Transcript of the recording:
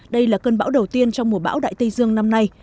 đây là cơn bão đầu tiên trong mùa bão đại tây dương năm nay